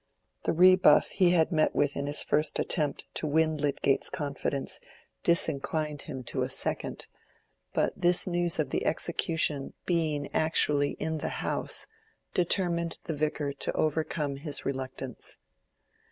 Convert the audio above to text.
The rebuff he had met with in his first attempt to win Lydgate's confidence, disinclined him to a second; but this news of the execution being actually in the house, determined the Vicar to overcome his reluctance.